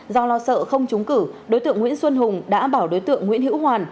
do lo sợ không trúng cử đối tượng nguyễn xuân hùng đã bảo đối tượng nguyễn hữu hoàn